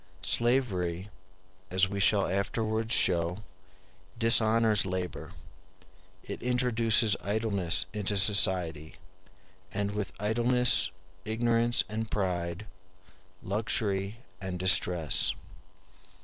Slavery, as we shall afterwards show, dishonors labor; it introduces idleness into society, and with idleness, ignorance and pride, luxury and distress.